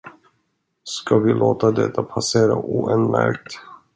Ska vi låta detta passera oanmärkt?